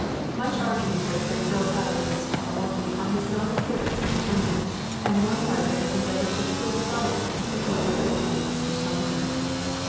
Much argument has been built up against Paul Morphy on his non appearance in the tournament, and one writer has endeavored to prove from it that he was afraid to meet Mr. Staunton.